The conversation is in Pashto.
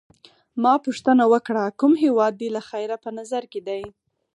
ما پوښتنه وکړه: کوم هیواد دي له خیره په نظر کي دی؟